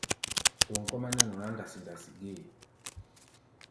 Tom kɔ́-mɛ́ nɛ́ nɔ ná ndasi-ndasi gée.